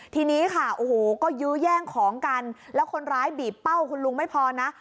ทีนี้ค่ะโอ้โหก็ยื้อแย่งของกันแล้วคนร้ายบีบเป้าคุณลุงไม่พอนะ